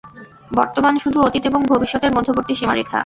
বর্তমান শুধু অতীত এবং ভবিষ্যতের মধ্যবর্তী সীমারেখা।